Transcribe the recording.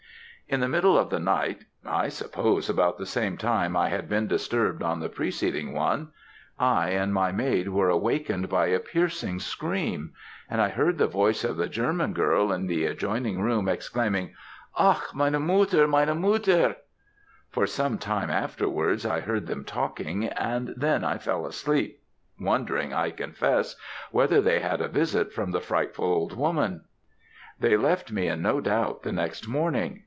"In the middle of the night I suppose about the same time I had been disturbed on the preceding one I and my maid were awakened by a piercing scream; and I heard the voice of the German girl in the adjoining room, exclaiming, 'Ach! meine mutter! meine mutter!' "For some time afterwards I heard them talking, and then I fell asleep wondering, I confess, whether they had had a visit from the frightful old woman. They left me in no doubt the next morning.